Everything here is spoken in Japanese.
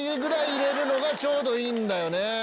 入れるのがちょうどいいんだよね。